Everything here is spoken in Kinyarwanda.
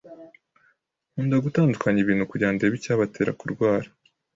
Nkunda gutandukanya ibintu kugirango ndebe icyabatera kurwara.